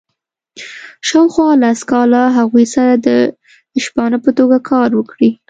شاوخوا لس کاله هغوی سره د شپانه په توګه کار وکړي.